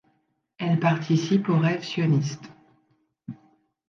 Elle participe au rêve sioniste.